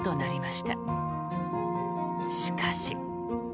しかし。